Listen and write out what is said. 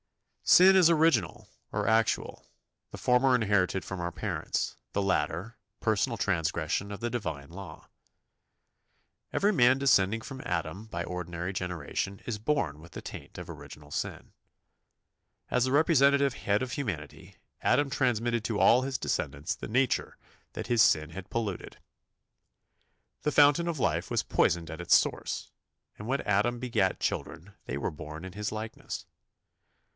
Sin is original or actual, the former inherited from our parents, the latter, personal transgression of the Divine law. Every man descending from Adam by ordinary generation is born with the taint of original sin. As the representative head of humanity, Adam transmitted to all his descendants the nature that his sin had polluted. The fountain of life was poisoned at its source, and when Adam begat children they were born in his likeness.